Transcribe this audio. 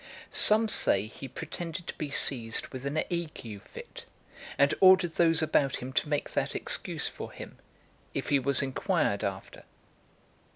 Some say he pretended to be seized with an ague fit, and ordered those about him to make that excuse for him, if he was inquired after.